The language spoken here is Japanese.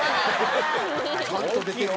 ちゃんと出てるよ。